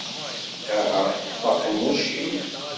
Aha, ṭṭef aqemmuc-im!